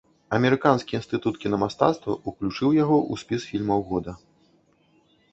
Амерыканскі інстытут кінамастацтва ўключыў яго ў спіс фільмаў года.